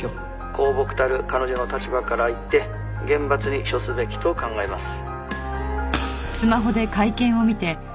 「公僕たる彼女の立場から言って厳罰に処すべきと考えます」